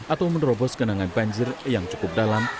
atau menerobos genangan banjir yang cukup dalam